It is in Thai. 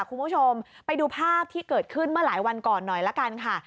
คุณผู้ชมไปดูภาพที่เกิดขึ้นเมื่อหลายวันก่อนหน่อยละกันค่ะ